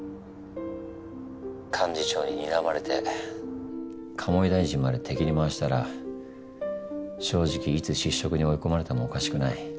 幹事長ににらまれて鴨井大臣まで敵に回したら正直いつ失職に追い込まれてもおかしくない。